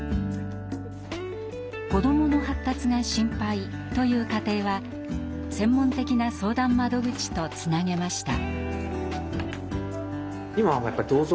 「子どもの発達が心配」という家庭は専門的な相談窓口とつなげました。